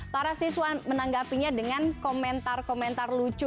para siswa menanggapinya dengan komentar komentar lucu